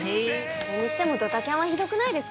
それにしてもドタキャンはひどくないですか？